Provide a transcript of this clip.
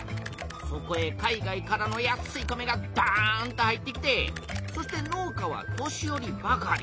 そこへ海外からの安い米がどんと入ってきてそして農家は年よりばかり。